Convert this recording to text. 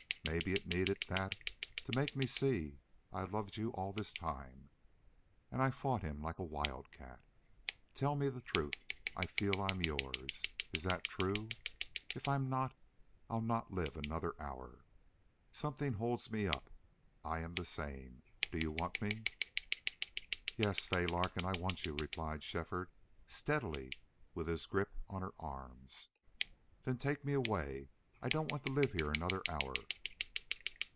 Maybe it needed that to make me see I've loved you all the time.... And I fought him like a wildcat!... Tell me the truth. I feel I'm yours. Is that true? If I'm not I'll not live another hour. Something holds me up. I am the same.... Do you want me?" "Yes, Fay Larkin, I want you," replied Shefford, steadily, with his grip on her arms. "Then take me away. I don't want to live here another hour."